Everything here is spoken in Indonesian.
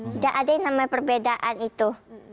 tidak ada yang namanya perbedaan itu